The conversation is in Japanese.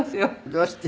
どうして？